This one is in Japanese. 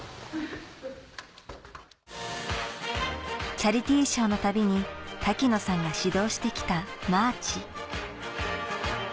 チャリティーショーのたびに滝野さんが指導してきたマーチ